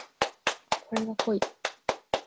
これが濃い